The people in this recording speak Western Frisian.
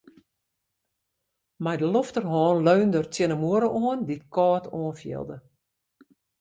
Mei de lofterhân leunde er tsjin de muorre oan, dy't kâld oanfielde.